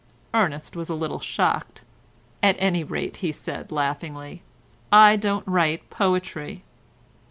Ernest was a little shocked. "At any rate," he said laughingly, "I don't write poetry."